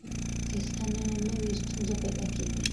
که اصلاح نه وي ستونزه پیدا کېږي.